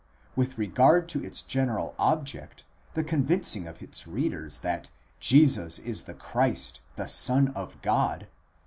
With regard to its general object, the convincing of its readers that Jesus is the Christ the Son of God (xx.